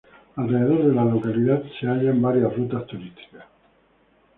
Alrededor de la localidad se hallan varias rutas turísticas.